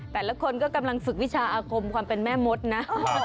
แต่ละคนก็กำลังฝึกวิชาอาคมความเป็นแม่มดนะ